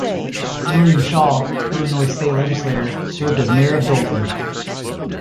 William Shaw, Illinois state legislator, served as mayor of Dolton.